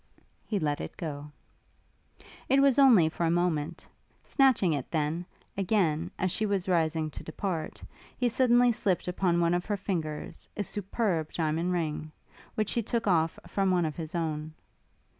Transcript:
he let it go. It was only for a moment: snatching, it then, again, as she was rising to depart, he suddenly slipt upon one of her fingers a superb diamond ring, which he took off from one of his own.